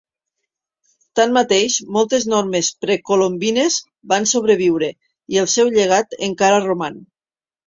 Tanmateix, moltes normes precolombines van sobreviure i el seu llegat encara roman.